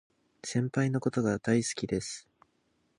先輩のことが大好きです